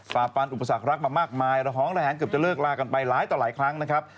ฟันอุปสรรครักมามากมายระหองระแหงเกือบจะเลิกลากันไปหลายต่อหลายครั้งนะครับ